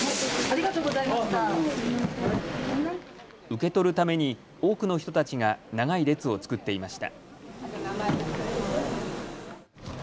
受け取るために多くの人たちが長い列を作っていました。